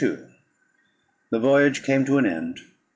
The voyage came to an end.